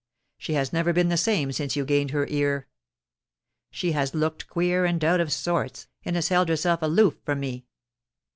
She has never been the same since you gained her ear. She has looked queer and out of sorts, and has held herself aloof from me.